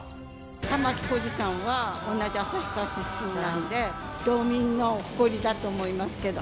玉置浩二さんは同じ旭川出身なんで、道民の誇りだと思いますけど。